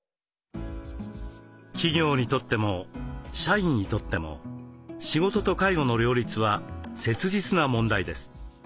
企業にとっても社員にとっても仕事と介護の両立は切実な問題です。